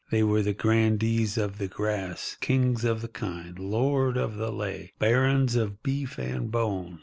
They were the grandees of the grass, kings of the kine, lords of the lea, barons of beef and bone.